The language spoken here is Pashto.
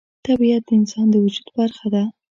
طبیعت د انسان د وجود برخه ده.